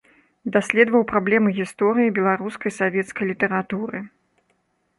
Даследаваў праблемы гісторыі беларускай савецкай літаратуры.